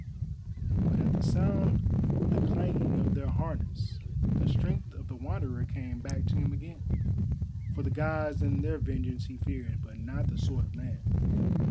But at the sound of the clanging of their harness the strength of the Wanderer came back to him again, for the Gods and their vengeance he feared, but not the sword of man.